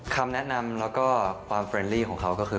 คำแนะนำแล้วก็ความเฟรนลี่ของเขาก็คือ